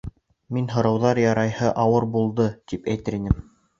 Мин, һорауҙар ярайһы ауыр булды; тип, әйтер инем